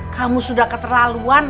kamu sudah keterlaluan